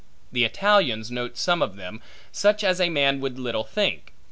The Italians note some of them, such as a man would little think.